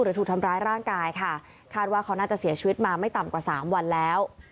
ถูกทำร้ายร่างกายค่ะคาดว่าเขาน่าจะเสียชีวิตมาไม่ต่ำกว่าสามวันแล้ว